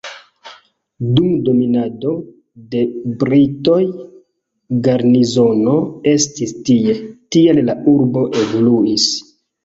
Dum dominado de britoj garnizono estis tie, tial la urbo evoluis.